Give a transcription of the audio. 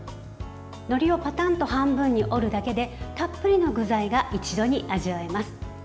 のりをパタンと半分に折るだけでたっぷりの具材が一度に味わえます。